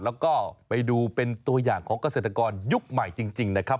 แล้วก็ไปดูเป็นตัวอย่างของเกษตรกรยุคใหม่จริงนะครับ